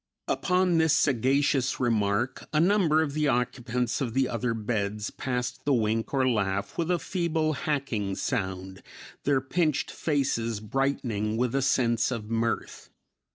Upon this sagacious remark, a number of the occupants of the other beds passed the wink or laugh with a feeble, hacking sound; their pinched faces brightening with a sense of mirth.